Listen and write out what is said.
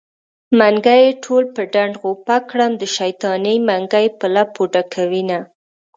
منګي يې ټول په ډنډ غوپه کړم د شيطانۍ منګی په لپو ډکوينه